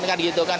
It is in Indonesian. kan gitu kan